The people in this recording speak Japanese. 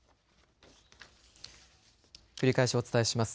繰り返しお伝えします。